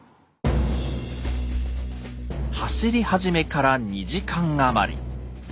走り始めから２時間余り。